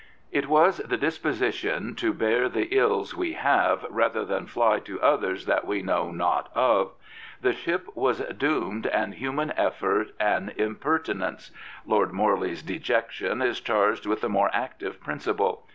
It was the disposition to bear the ills we have rather than fly to others that we know not of. The ship was doomed and human effort an impertinence. Lord Morley^s dejection is charged with a more active prin ciple.